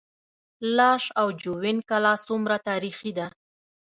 لاش او جوین کلا څومره تاریخي ده؟